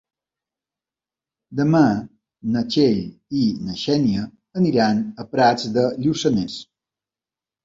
Demà na Txell i na Xènia aniran a Prats de Lluçanès.